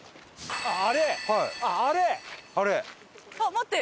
待って。